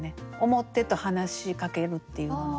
「思って」と「話しかける」っていうのが。